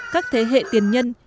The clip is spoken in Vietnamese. các thế hệ tiền nhân